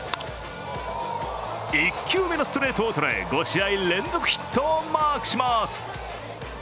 １球目のストレートを捉え、５試合連続ヒットをマークします。